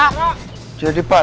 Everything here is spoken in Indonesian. anya terlihat yang berbalik